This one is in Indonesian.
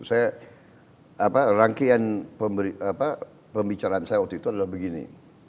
saya rangkaian pembicaraan saya waktu itu adalah begini